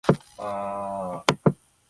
あああああああああああ